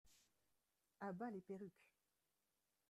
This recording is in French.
A bas les perruques!